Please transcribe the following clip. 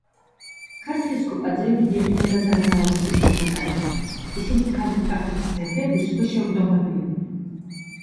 ქართლის კოპაძეები ძირითადად აზნაურის ტიტულს ატარებდნენ, ისინი ქართლ-კახეთის მეფეების ქვეშემრდომები იყვნენ.